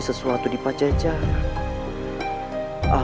sesuatu di pajajaran